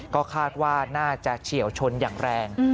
ก็คาดว่าน่าจะเฉียวชนอย่างแรง